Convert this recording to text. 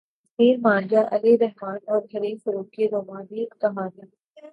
ہیر مان جا علی رحمن اور حریم فاروق کی رومانوی کہانی